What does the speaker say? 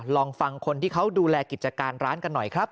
ลองฟังคนที่เขาดูแลกิจการร้านกันหน่อยครับ